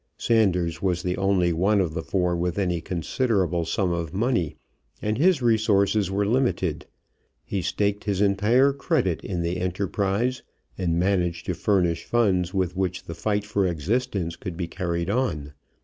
Sanders was the only one of the four with any considerable sum of money, and his resources were limited. He staked his entire credit in the enterprise, and managed to furnish funds with which the fight for existence could be carried on.